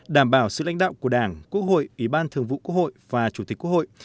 đảm bảo sự lãnh đạo của đảng quốc hội ủy ban thường vụ quốc hội và chủ tịch quốc hội